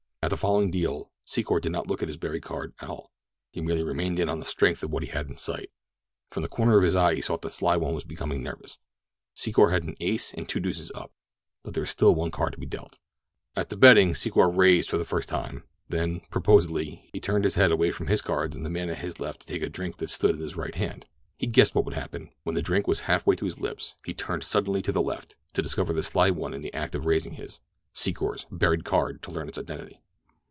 At the following deal Secor did not look at his buried card at all. He merely remained in on the strength of what he had in sight. From the corner of his eye he saw that the sly one was becoming nervous. Secor had an ace and two deuces up—there was still one card to be dealt. At the betting, Secor raised for the first time, then, purposely, he turned his head away from his cards and the man at his left to take a drink that stood at his right hand. He guessed what would happen. When the drink was half way to his lips he turned suddenly to the left to discover the sly one in the act of raising his, Secor's, buried card to learn its identity.